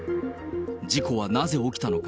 事故はなぜ起きたのか。